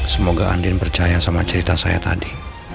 semoga andin percaya sama cerita saya tadi